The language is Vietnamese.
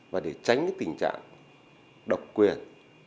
và để tránh tình trạng độc quyền